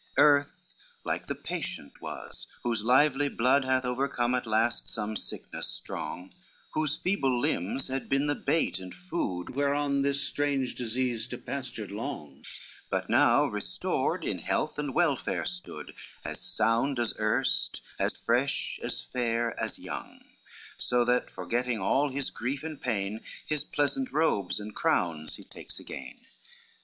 LXXIX Earth, like the patient was, whose lively blood Hath overcome at last some sickness strong, Whose feeble limbs had been the bait and food Whereon this strange disease depastured long, But now restored, in health and welfare stood, As sound as erst, as fresh, as fair, as young; So that forgetting all his grief and pain, His pleasant robes and crowns he takes again.